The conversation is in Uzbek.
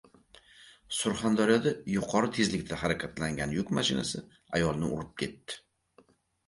Surxondaryoda yuqori tezlikda harakatlangan yuk mashinasi ayolni urib ketdi